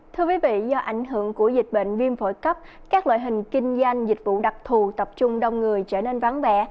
thưa quý vị do ảnh hưởng của dịch bệnh viêm phổi cấp các loại hình kinh doanh dịch vụ đặc thù tập trung đông người trở nên vắng vẻ